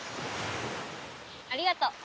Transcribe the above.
ありがとう！